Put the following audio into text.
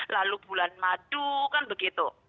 lalu bulan madu kan begitu